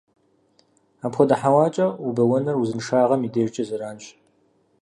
Апхуэдэ хьэуакӀэ убэуэныр узыншагъэм и дежкӀэ зэранщ.